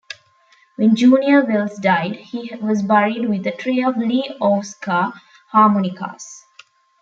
When Junior Wells died, he was buried with a tray of Lee Oskar harmonicas.